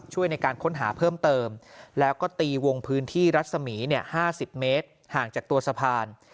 ช่วยในการค้นหาเพิ่มเติมแล้วก็ตีวงพื้นที่รัศมี๕๐เมตรห่างจากตัวสะพาน